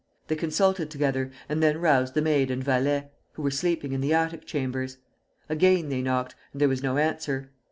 They consulted together, and then roused the maid and valet, who were sleeping in the attic chambers. Again they knocked, and there was no answer.